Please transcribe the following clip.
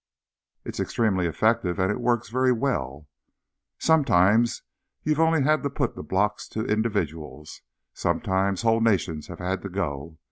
_ It's extremely effective—and it works very well. _Sometimes, you've only had to put the blocks to individuals. Sometimes whole nations have had to go.